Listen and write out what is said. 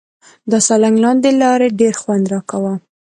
د سالنګ لاندې لار ډېر خوند راکاوه.